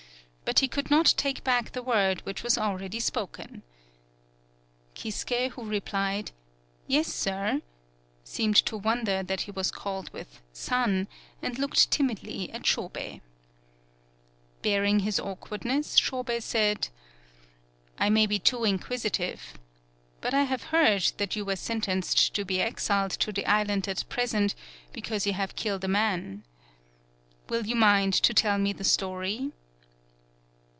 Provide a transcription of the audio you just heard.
But he could not take back the word which was already spoken. Kisuke, who replied, "Yes, sir," seemed to wonder that he was called with "san," and looked timidly at Shobei. 21 PAULOWNIA Bearing his awkwardness, Shobei said: "I may be too inquisitive. But I have heard that you were sentenced to be exiled to the island at present be cause you have killed a man. Will you mind to tell me the story?"